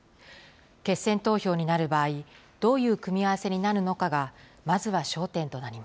決選投票になる場合、どういう組み合わせになるのかがまずは焦点